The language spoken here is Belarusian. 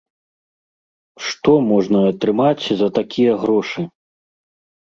Што можна атрымаць за такія грошы?